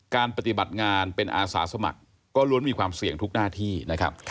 การปฏิบัติงานเป็นอาสาสมัครก็ล้วนมีความเสี่ยงทุกหน้าที่นะครับ